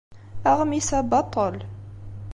Aɣmis-a baṭel.